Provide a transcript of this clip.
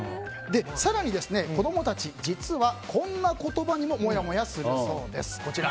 更に、子供たち実はこんな言葉にももやもやするそうです。